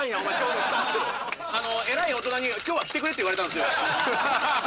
偉い大人に「今日は着てくれ」って言われたんですよ。